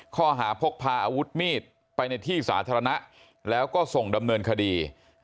ข้อหาพกพาอาวุธมีดไปในที่สาธารณะแล้วก็ส่งดำเนินคดี